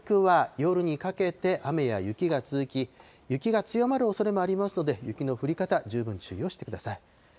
東北や北陸は、夜にかけて雨や雪が続き、雪が強まるおそれもありますので、雪の降り方、十分注意をしてください。